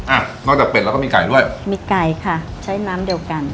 อ่ะนอกจากเป็ดแล้วก็มีไก่ด้วยมีไก่ค่ะใช้น้ำเดียวกัน